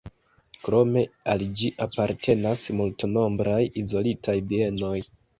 Krome al ĝi apartenas multnombraj izolitaj bienoj.